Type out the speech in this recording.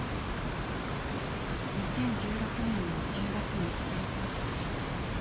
２０１６年の１０月にプロポーズされ承諾しました。